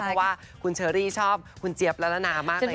เพราะว่าคุณเชอรี่ชอบคุณเจี๊ยบละละนามากเลย